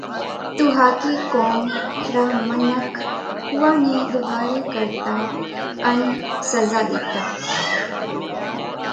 تو ۿاڳي قُوم را منک اُوئا نئہ ۮوھاري ڪرتا ان سزا ۮيتا۔